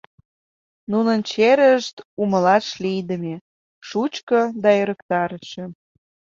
Нунын черышт умылаш лийдыме, шучко да ӧрыктарыше.